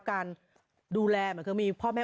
ไก่ดูดีอ่ะ